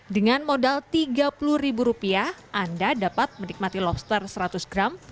dengan modal tiga puluh ribu rupiah anda dapat menikmati lobster seratus gram